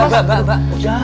eh mbak mbak mbak